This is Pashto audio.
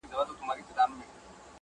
زلفو دې زما ويښتو کي څومره غوټې واخيستلې